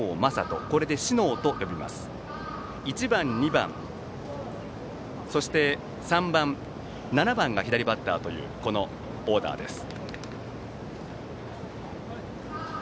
１番、２番、そして３番、７番が左バッターというオーダーです。